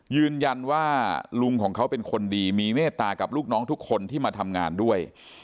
ยืนยันว่าลุงของเขาเป็นคนดีมีเมตตากับลูกน้องทุกคนที่มาทำงานด้วย